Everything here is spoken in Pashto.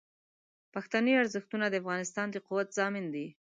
پښتني ارزښتونه د افغانستان د قوت ضامن دي.